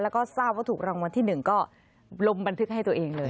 แล้วก็ทราบว่าถูกรางวัลที่๑ก็ลงบันทึกให้ตัวเองเลย